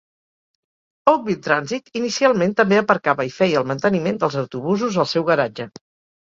Oakville Transit inicialment també aparcava i feia el manteniment dels autobusos al seu garatge.